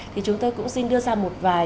thì chúng tôi cũng xin đưa ra một vài